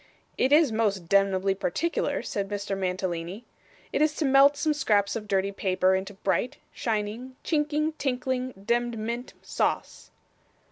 'It is most demnebly particular,' said Mr. Mantalini. 'It is to melt some scraps of dirty paper into bright, shining, chinking, tinkling, demd mint sauce.